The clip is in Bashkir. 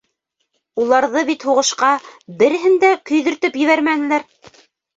Уларҙы бит һуғышҡа береһен дә көйҙөртөп ебәрмәнеләр...